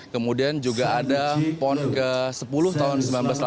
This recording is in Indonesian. kemudian juga ada pon ke sepuluh tahun seribu sembilan ratus delapan puluh